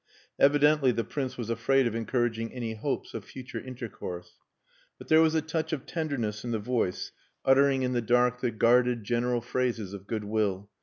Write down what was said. Evidently the Prince was afraid of encouraging any hopes of future intercourse. But there was a touch of tenderness in the voice uttering in the dark the guarded general phrases of goodwill.